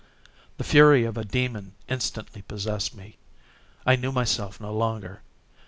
The fury of a demon instantly possessed me. I knew myself no longer.